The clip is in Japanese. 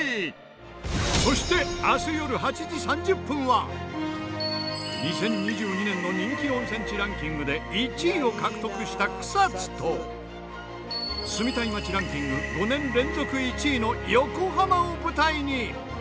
そして２０２２年の人気温泉地ランキングで１位を獲得した草津と住みたい街ランキング５年連続１位の横浜を舞台に。